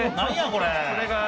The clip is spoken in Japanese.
これが。